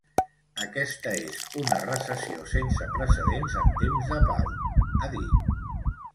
Aquesta és una recessió sense precedents en temps de pau, ha dit.